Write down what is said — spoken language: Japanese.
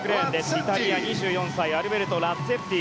イタリア、２４歳アルベルト・ラッツェッティ。